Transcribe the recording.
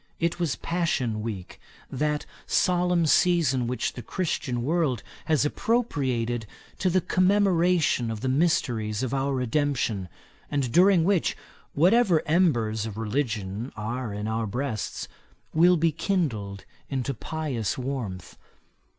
It was Passion Week, that solemn season which the Christian world has appropriated to the commemoration of the mysteries of our redemption, and during which, whatever embers of religion are in our breasts, will be kindled into pious warmth.